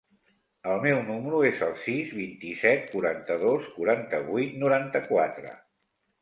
El meu número es el sis, vint-i-set, quaranta-dos, quaranta-vuit, noranta-quatre.